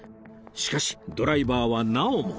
しかしドライバーはなおも